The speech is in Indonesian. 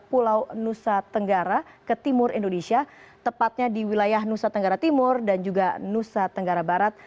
pulau nusa tenggara ke timur indonesia tepatnya di wilayah nusa tenggara timur dan juga nusa tenggara barat